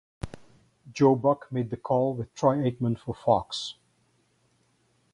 Joe Buck made the call with Troy Aikman for Fox.